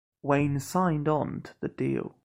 Wayne signed on to the deal.